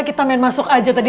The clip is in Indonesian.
kita main masuk aja tadi